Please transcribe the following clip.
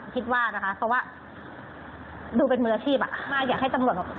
คิดว่านะคะเพราะว่าดูเป็นมืออาชีพอ่ะมากอยากให้ตำรวจแบบ